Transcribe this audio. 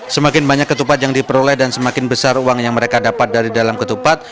semakin banyak ketupat yang diperoleh dan semakin besar uang yang mereka dapat dari dalam ketupat